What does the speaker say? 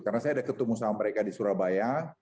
karena saya ada ketemu sama mereka di surabaya